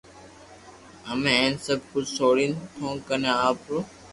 ھمي ھين سب ڪجھ سوڙين ٿو ڪني آوو